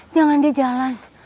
jangan deh jalan